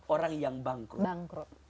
orang yang bangkrut